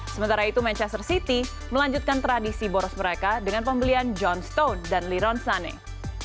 sementara itu manchester city melanjutkan tradisi boros mereka dengan pembelian john stone dan liron sunning